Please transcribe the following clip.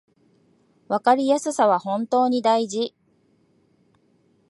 わかりやすさは本当に大事